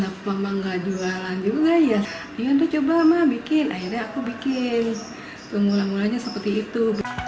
pemulanya seperti itu